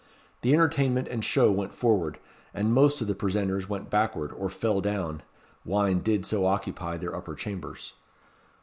The entertainment and show went forward, and most of the presenters went backward, or fell down; wine did so occupy their upper chambers."